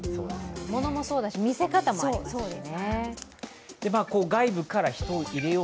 物もそうだし、見せ方もありますね。